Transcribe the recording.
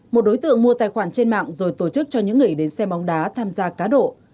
một đối tượng mua tài khoản trên mạng rồi tổ chức cho những người đến xem bóng đá tham gia cá độ